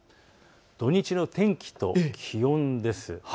土日の天気と気温です。